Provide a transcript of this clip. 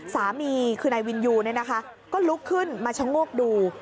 สามีคือนายวินยูก็ลุกขึ้นมาชะโงกดู